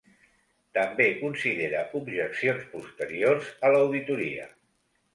També considera objeccions posteriors a l'auditoria.